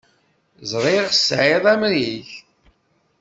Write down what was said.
Ẓriɣ tesɛiḍ amrig.